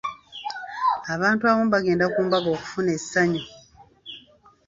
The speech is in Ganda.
Abantu abamu bagenda ku mbaga okufuna essanyu.